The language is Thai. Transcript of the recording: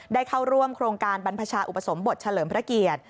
ได้เข้าร่วมโครงการบรรพชาอุปสมบทเฉลิมพระเกียรติ